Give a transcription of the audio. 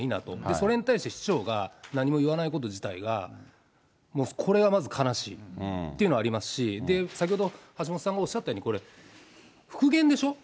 それに対して市長が何も言わないこと自体が、もうこれがまず悲しいというのがありますし、先ほど、橋下さんがおっしゃったように、これ、復元でしょ。